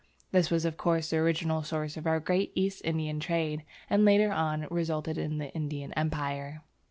This was of course the original source of our great East Indian trade, and later on resulted in the Indian Empire.